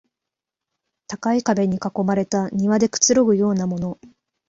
高い壁に囲まれた庭でくつろぐようなもの